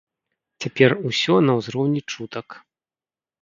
Цяпер ўсё на ўзроўні чутак.